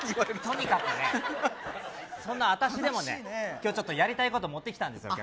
とにかくねそんな私でもね悲しいね今日ちょっとやりたいこと持ってきたんですよ